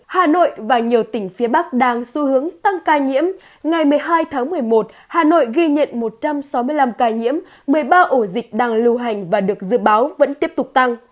hà nội và nhiều tỉnh phía bắc đang xu hướng tăng ca nhiễm ngày một mươi hai tháng một mươi một hà nội ghi nhận một trăm sáu mươi năm ca nhiễm một mươi ba ổ dịch đang lưu hành và được dự báo vẫn tiếp tục tăng